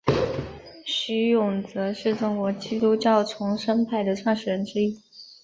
徐永泽是中国基督教重生派的创始人之一。